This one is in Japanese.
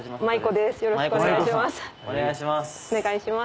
よろしくお願いします。